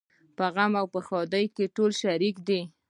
په غم او ښادۍ کې ټول شریک دي.